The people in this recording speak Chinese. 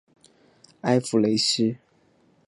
埃夫雷西。